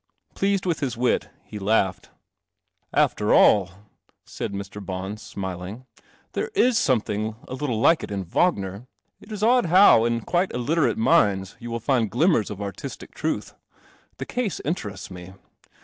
Pleased with his wit, he laughed. " After all," said Mr. Bons, smiling, " there is something a little like it in Wagner. It is odd how, in quite illiterate minds, you will find glim mers of Artistic Truth. The case interests me.